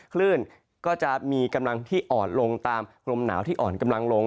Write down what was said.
คลื่นก็จะมีกำลังที่อ่อนลงตามลมหนาวที่อ่อนกำลังลง